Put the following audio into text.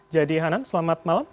jayadi hanan selamat malam